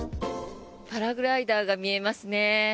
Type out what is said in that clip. パラグライダーが見えますね。